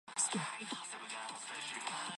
本来の担ぎ技が出ました。